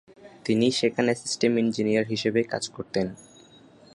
তিনি সেখানে system engineer হিসেবে কাজ করতেন।